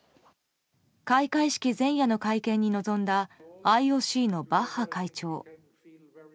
開会式前夜の会見に臨んだＩＯＣのバッハ会長。